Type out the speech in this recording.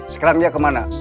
sekarang dia ke mana